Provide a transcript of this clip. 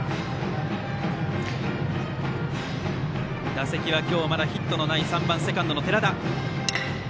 打席は今日まだヒットのない３番セカンド寺田。